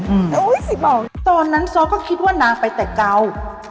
แต่อุ้ยสิบอกตอนนั้นซ้อก็คิดว่านางไปแต่เก่า